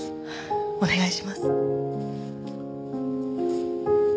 お願いします。